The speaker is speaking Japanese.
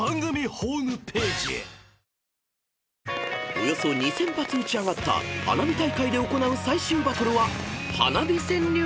［およそ２，０００発打ち上がった花火大会で行う最終バトルは］